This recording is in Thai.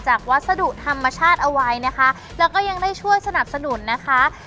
วัสดุธรรมชาติเอาไว้นะคะแล้วก็ยังได้ช่วยสนับสนุนนะคะ